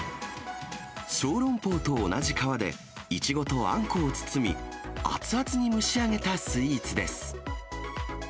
小籠包と同じ皮で、イチゴとあんこを包み、熱々に蒸し上げたスイーツです。